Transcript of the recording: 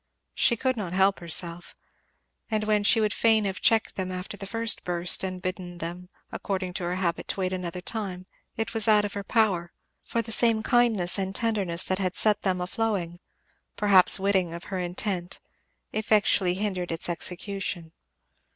She could not help herself. And when she would fain have checked them after the first burst and bidden them, according to her habit to wait another time, it was out of her power; for the same kindness and tenderness that had set them a flowing, perhaps witting of her intent, effectually hindered its execution.